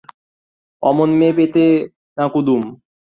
অমন মেয়ে পেতে না কুমুদ।